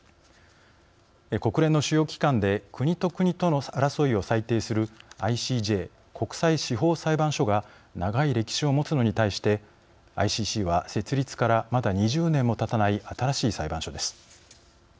国連の主要機関で国と国との争いを裁定するＩＣＪ＝国際司法裁判所が長い歴史を持つのに対してＩＣＣは設立からまだ２０年もたたない新しい裁判所です。